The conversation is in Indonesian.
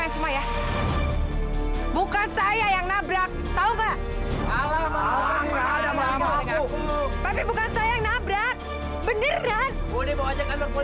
sampai jumpa di video selanjutnya